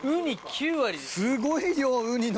すごい量ウニの。